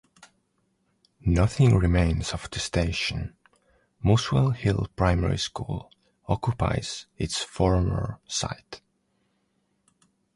Nothing remains of the station; Muswell Hill Primary School occupies its former site.